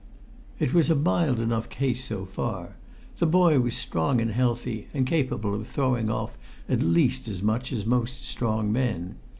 It was a mild enough case so far. The boy was strong and healthy, and capable of throwing off at least as much as most strong men.